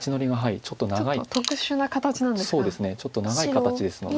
ちょっと長い形ですので。